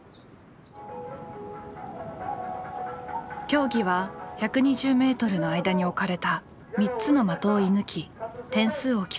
競技は１２０ｍの間に置かれた３つの的を射ぬき点数を競います。